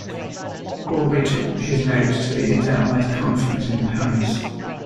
Aubrey took his notes to the Inter-Allied Conference in Paris.